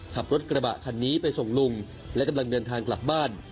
ขับรถกระบะคันนี้ไปส่งลุงและกำลังเดินทางกลับบ้าน